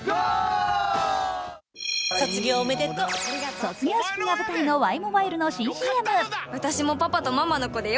卒業式が舞台のワイモバイルの新ＣＭ。